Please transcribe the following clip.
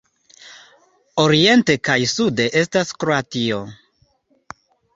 Oriente kaj sude estas Kroatio.